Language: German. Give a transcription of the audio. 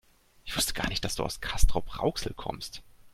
Ich wusste gar nicht, dass du aus Castrop-Rauxel kommst